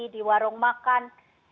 di warung makan